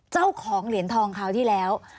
เจ้าของเหรียญทองคราวที่แล้ว